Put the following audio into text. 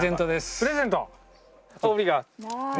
プレゼント！